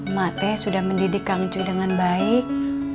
mak teh sudah mendidik ngui dengan baik